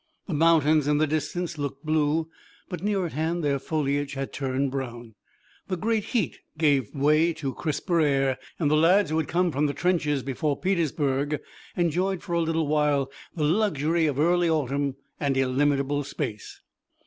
The mountains in the distance looked blue, but, near at hand, their foliage had turned brown. The great heat gave way to a crisper air and the lads who had come from the trenches before Petersburg enjoyed for a little while the luxury of early autumn and illimitable space.